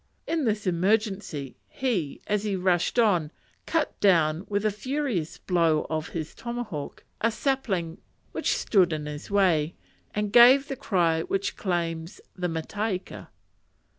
In this emergency he, as he rushed on, cut down with a furious blow of his tomahawk, a sapling which stood in his way, and gave the cry which claims the mataika.